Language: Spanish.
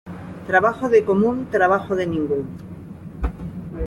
Trabajo de común, trabajo de ningún.